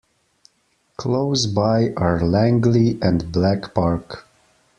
Close by are Langley and Black Park.